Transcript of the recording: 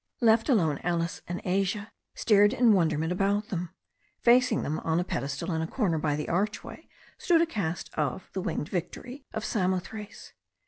Left alone, Alice and Asia stared in wonderment about them. Facing them, on a pedestal in a corner by the arch way, stood a cast of "The Winged Victory" of Samothrace.